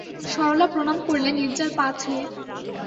সরলা প্রণাম করলে নীরজার পা ছুঁয়ে।